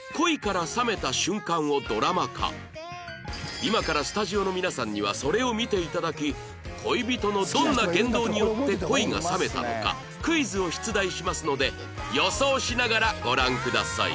今からスタジオの皆さんにはそれを見ていただき恋人のどんな言動によって恋が冷めたのかクイズを出題しますので予想しながらご覧ください